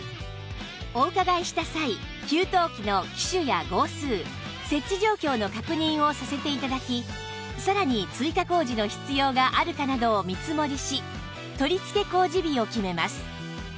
お伺いした際給湯器の機種や号数設置状況の確認をさせて頂きさらに追加工事の必要があるかなどを見積もりし取り付け工事日を決めます